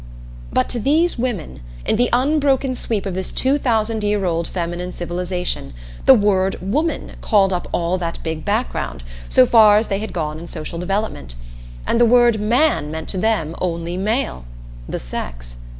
But to these women, in the unbroken sweep of this two thousand year old feminine civilization, the word woman called up all that big background, so far as they had gone in social development; and the word man meant to them only male the sex.